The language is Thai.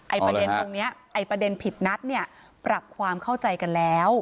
ประเด็นตรงนี้ไอ้ประเด็นผิดนัดเนี่ยปรับความเข้าใจกันแล้ว